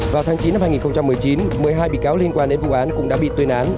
vào tháng chín năm hai nghìn một mươi chín một mươi hai bị cáo liên quan đến vụ án cũng đã bị tuyên án